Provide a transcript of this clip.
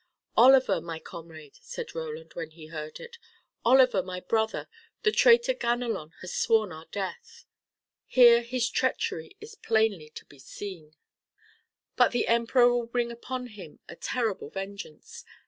"Oliver, my comrade," said Roland, when he heard it, "Oliver, my brother, the traitor Ganelon hath sworn our death. Here his treachery is plainly to be seen. But the Emperor will bring upon him a terrible vengeance.